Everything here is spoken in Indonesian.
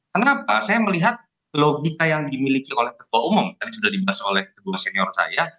kenapa saya melihat logika yang dimiliki oleh ketua umum tadi sudah dibahas oleh kedua senior saya